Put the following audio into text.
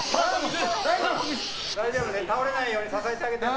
大丈夫ね、倒れないように支えてあげてね。